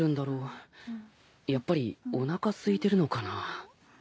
やっぱりおなかすいてるのかなぁ。